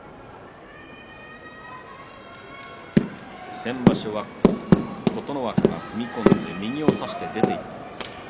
先場所、琴ノ若が踏み込んで右を差して出ていきました。